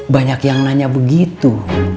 banyak yang nanya begitu